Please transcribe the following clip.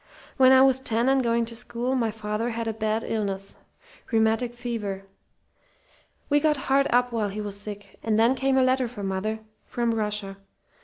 When I was ten and going to school my father had a bad illness rheumatic fever. We got hard up while he was sick; and then came a letter for mother from Russia.